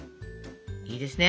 いいですね。